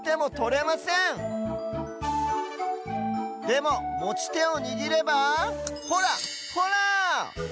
でももちてをにぎればほらほら！